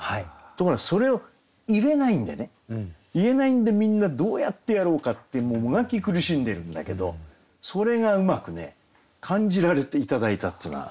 ところがそれを言えないんでね言えないんでみんなどうやってやろうかってもがき苦しんでるんだけどそれがうまく感じられて頂いたっていうのは。